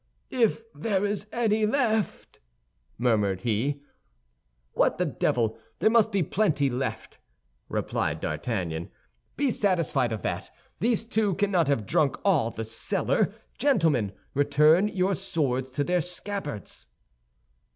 'If there is any left!'" murmured he. "What the devil! There must be plenty left," replied D'Artagnan. "Be satisfied of that; these two cannot have drunk all the cellar. Gentlemen, return your swords to their scabbards."